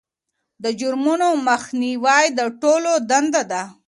د جرمونو مخنیوی د ټولو دنده ده.